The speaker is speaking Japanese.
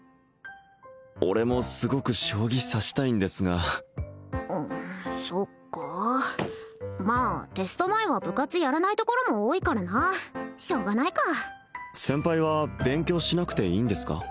俺もすごく将棋指したいんですがそっかまあテスト前は部活やらないところも多いからなしょうがないか先輩は勉強しなくていいんですか？